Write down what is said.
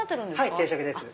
定食です。